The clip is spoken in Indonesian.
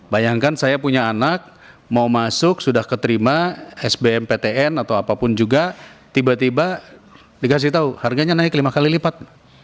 bayangkan saya punya anak mau masuk sudah keterima sbm ptn atau apapun juga tiba tiba dikasih tahu harganya naik lima kali lipat